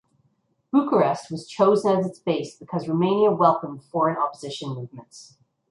Bucharest was chosen as its base because Romania welcomed foreign opposition movements.